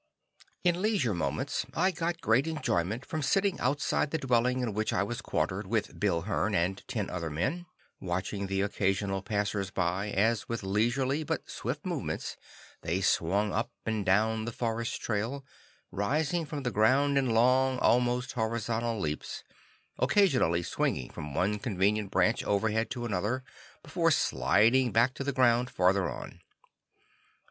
In leisure moments, I got great enjoyment from sitting outside the dwelling in which I was quartered with Bill Hearn and ten other men, watching the occasional passers by, as with leisurely, but swift movements, they swung up and down the forest trail, rising from the ground in long almost horizontal leaps, occasionally swinging from one convenient branch overhead to another before "sliding" back to the ground farther on.